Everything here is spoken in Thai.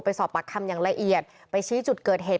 สอบปากคำอย่างละเอียดไปชี้จุดเกิดเหตุ